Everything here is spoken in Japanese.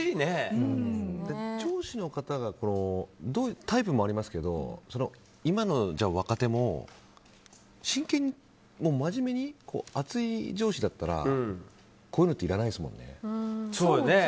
上司の方がタイプもありますけど今の若手も真剣にまじめに熱い上司だったらこういうのっていらないですもんね。